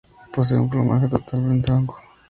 Posee un plumaje totalmente blanco.